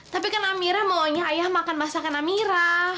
tapi kan amira maunya ayah makan masakan amirah